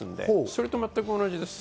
それと全く同じです。